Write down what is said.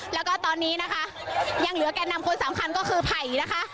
แล้วก็ตอนนี้นะคะยังเหลือแก่นำคนสำคัญก็คือไผ่นะคะ